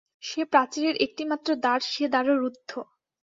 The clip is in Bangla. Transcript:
সে প্রাচীরের একটিমাত্র দ্বার, সে দ্বারও রুদ্ধ।